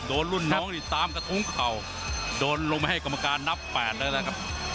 โดนรุ่นน้องนี่ตามกระทุ้งเข่าโดนลงไปให้กรรมการนับแปดแล้วนะครับ